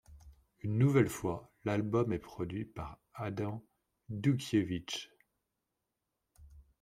Une nouvelle fois, l'album est produit par Adam Dutkiewicz.